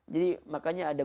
jadi makanya ada